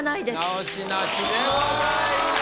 直しなしでございます。